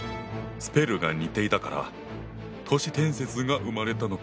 スペルが似ていたから都市伝説が生まれたのか。